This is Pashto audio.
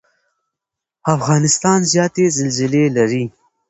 افغانستان زیاتې زلزلې لري.